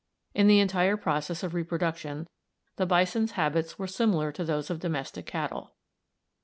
In the entire process of reproduction the bison's habits were similar to those of domestic cattle.